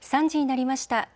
３時になりました。